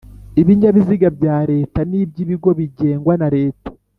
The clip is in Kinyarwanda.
Ibinyabiziga bya Leta n’iby’ibigo bigengwa na Leta.